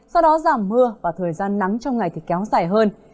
sau đó giảm mưa và thời gian nắng trong ngày thì kéo dài hơn